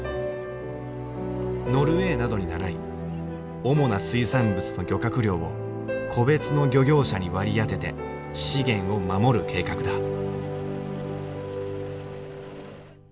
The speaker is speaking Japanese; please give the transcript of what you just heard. ノルウェーなどにならい主な水産物の漁獲量を個別の漁業者に割り当てて資源を守る計画だ。